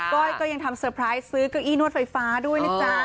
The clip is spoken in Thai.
ก็ยังทำเตอร์ไพรส์ซื้อเก้าอี้นวดไฟฟ้าด้วยนะจ๊ะ